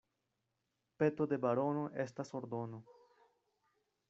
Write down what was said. Peto de barono estas ordono.